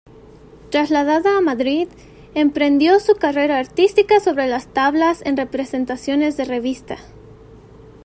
Trasladada a Madrid, emprendió su carrera artística sobre las tablas en representaciones de Revista.